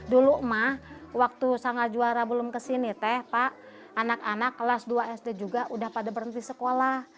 dulu mah waktu sangga juara belum kesini teh pak anak anak kelas dua sd juga udah pada berhenti sekolah